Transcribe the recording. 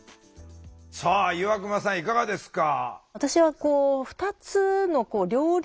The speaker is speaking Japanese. さあ岩隈さんいかがですか？